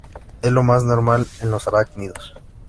Es lo más normal en los arácnidos.